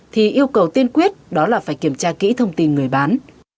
thì yêu cầu tiên quyết đó là phải kiểm tra kỹ thông tin người bán